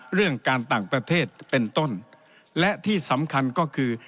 เรื่องการต่างประเทศเป็นต้นและที่สำคัญก็คือ